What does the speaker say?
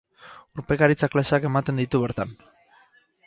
Urpekaritza klaseak ematen ditu bertan.